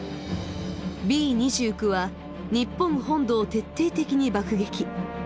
Ｂ２９は日本本土を徹底的に爆撃。